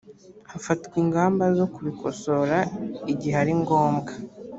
hafatwa ingamba zo kubikosora igihe aringombwa